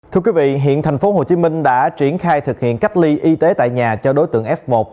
thưa quý vị hiện tp hcm đã triển khai thực hiện cách ly y tế tại nhà cho đối tượng f một